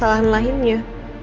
dan kesalahan lainnya